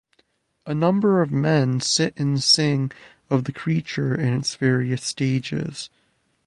A number of men sit and sing of the creature in its various stages.